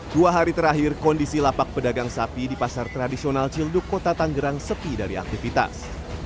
dua hari terakhir kondisi lapak pedagang sapi di pasar tradisional cilduk kota tanggerang sepi dari aktivitas